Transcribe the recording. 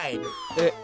えっ。